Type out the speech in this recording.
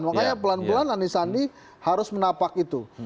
makanya pelan pelan anisandi harus menapak itu